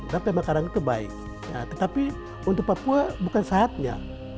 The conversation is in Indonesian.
dapat pemekaran itu baik tetapi untuk papua bukan sehatnya